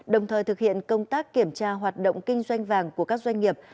đồng thời thực hiện công tác kiểm tra hoạt động kinh doanh vàng của các doanh nghiệp